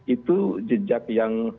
itu jejak yang